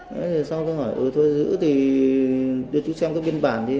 sau đó tôi hỏi ừ thôi giữ thì đưa chú xem cái biên bản